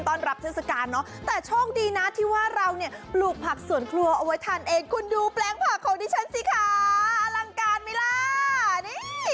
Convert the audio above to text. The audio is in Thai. แต่โชคดีแต่ดีที่รุกผักสวนครัวไว้ทานเองดูแปลงของผักสิคะอลังการไหมล่ะ